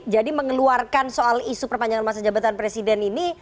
jadi mengeluarkan soal isu perpanjangan masa jabatan presiden ini